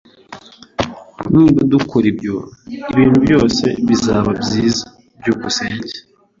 Niba dukora ibyo, ibintu byose bizaba byiza. byukusenge